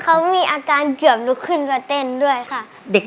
เขามีอาการเกือบลุกขึ้นมาเต้นด้วยค่ะ